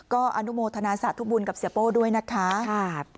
ก็อนุโมทนาสาธุบุญกับเสียโป้ด้วยนะคะ